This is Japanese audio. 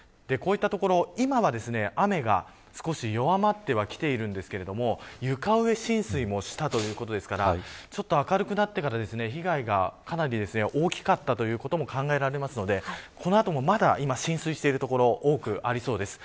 今は雨が少し弱まってきているんですが床上浸水もしたということですから明るくなってから被害がかなり大きかったということも考えられますのでこの後もまだ浸水している所多くありそうです。